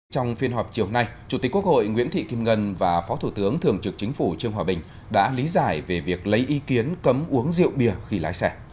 trong phiên họp chiều nay chủ tịch quốc hội nguyễn thị kim ngân và phó thủ tướng thường trực chính phủ trương hòa bình đã lý giải về việc lấy ý kiến cấm uống rượu bia khi lái xe